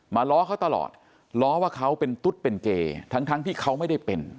ล้อเขาตลอดล้อว่าเขาเป็นตุ๊ดเป็นเกย์ทั้งทั้งที่เขาไม่ได้เป็น